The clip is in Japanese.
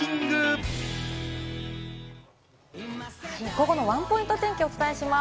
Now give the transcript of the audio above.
午後のワンポイント天気をお伝えします。